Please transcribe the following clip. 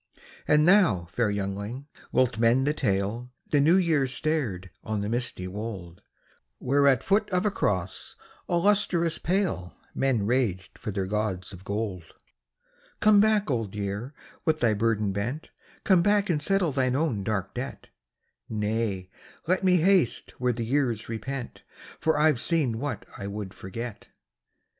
And thou, fair youngling, wilt mend the tale? " The New Year stared on the misty wold, Where at foot of a cross all lustrous pale Men raged for their gods of gold. " Come back, Old Year, with thy burden bent. Come back and settle thine own dark debt." " Nay, let me haste where the years repent, For I ve seen what I would forget."